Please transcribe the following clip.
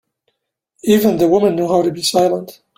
Even the women knew how to be silent.